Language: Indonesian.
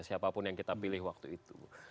siapapun yang kita pilih waktu itu